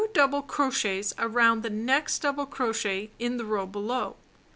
Put 2 double crochets around the next double crochet in the row below.